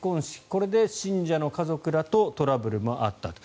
これで信者の家族らとトラブルもあったと。